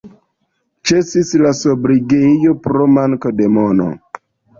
Ĉesis la sobrigejo pro manko de mono.